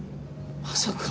まさか。